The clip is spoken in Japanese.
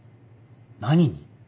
何に？